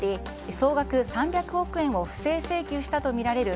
総額３００億円を不正請求したとみられる